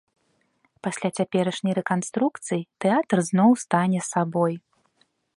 Пасля цяперашняй рэканструкцыі тэатр зноў стане сабой.